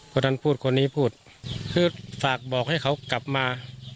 คนนั้นพูดคนนี้พูดคือฝากบอกให้เขากลับมา